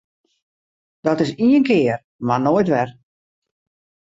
Dat is ien kear mar noait wer!